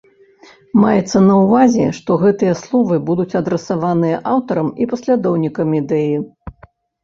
Маецца на ўвазе, што гэтыя словы будуць адрасаваныя аўтарам і паслядоўнікам ідэі.